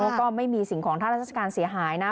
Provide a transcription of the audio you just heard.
ก็ไม่มีสิ่งของทางราชการเสียหายนะ